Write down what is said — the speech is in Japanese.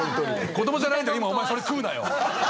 子供じゃないんだから今それ食うなよ。